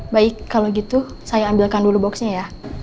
baik kalau gitu saya ambilkan dulu boxnya ya